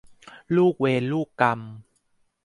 ลูกเวรลูกกรรม